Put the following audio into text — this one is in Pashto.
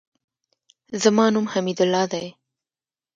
زما نوم حمیدالله دئ.